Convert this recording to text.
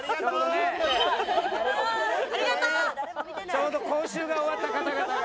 ちょうど講習が終わった方々が。